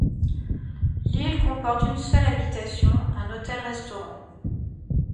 L'île comporte une seule habitation, un hôtel-restaurant.